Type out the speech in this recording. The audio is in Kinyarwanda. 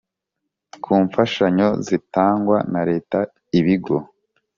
ku mfashanyo zitangwa na Leta ibigo